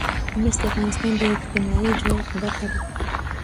مس د افغانستان د اجتماعي جوړښت برخه ده.